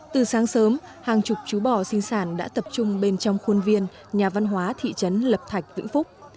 từ sáng sớm hàng chục chú bò sinh sản đã tập trung bên trong khuôn viên nhà văn hóa thị trấn lập thạch vĩnh phúc